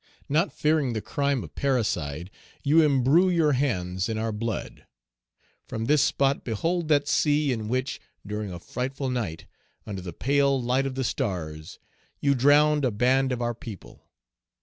Not fearing the crime of parricide, you imbrue your hands in our blood. From this spot behold that sea in which, during a frightful night, under the pale light of the stars, you drowned a band of our people.